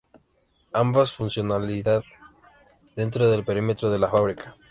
Ambas funcionan dentro del perímetro de la fábrica.